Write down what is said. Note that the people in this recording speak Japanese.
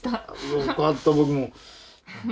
よかった僕も。